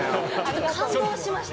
感動しました。